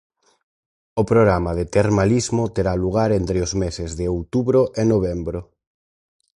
O Programa de Termalismo terá lugar entre os meses de outubro e novembro.